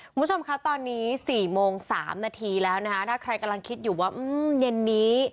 คุณผู้ชมคะตอนนี้๔โมง๓นาทีแล้วนะคะถ้าใครกำลังคิดอยู่ว่าเย็นนี้